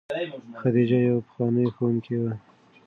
خدیجه یوه پخوانۍ ښوونکې وه.